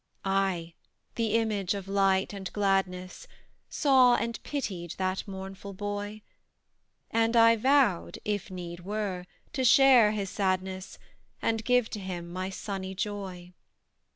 "I the image of light and gladness Saw and pitied that mournful boy, And I vowed if need were to share his sadness, And give to him my sunny joy.